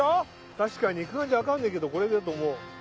確かに肉眼じゃ分かんねえけどこれだともう。